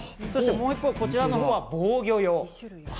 もう一方、こちらのほうは防御用。